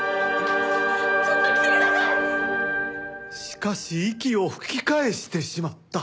しかし息を吹き返してしまった。